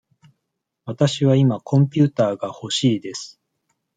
わたしは今コンピューターがほしいです。